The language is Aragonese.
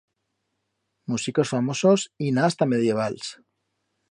Musicos famosos, i'n ha hasta medievals.